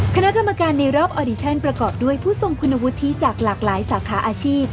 คณะกรรมการในรอบออดิชั่นประกอบด้วยผู้ทรงคุณวุฒิจากหลากหลายสาขาอาชีพ